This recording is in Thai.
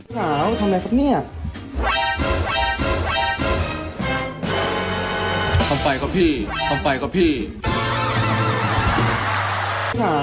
เสียงแมนมากเลยค่ะ